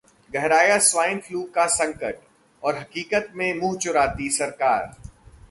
गहराया swine flu का संकट और हकीकत से मुंह चुराती सरकार